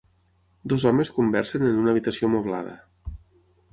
Dos homes conversen en una habitació moblada.